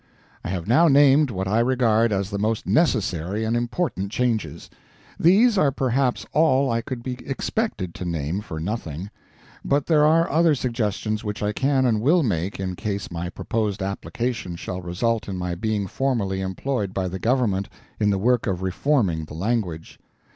I have now named what I regard as the most necessary and important changes. These are perhaps all I could be expected to name for nothing; but there are other suggestions which I can and will make in case my proposed application shall result in my being formally employed by the government in the work of reforming the language.